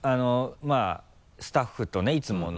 スタッフとねいつもの。